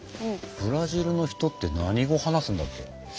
ブラジルの人って何語話すんだっけ？